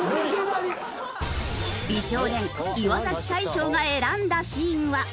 美少年岩大昇が選んだシーンは。